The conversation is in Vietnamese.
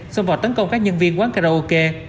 xông vào tấn công các nhân viên quán karaoke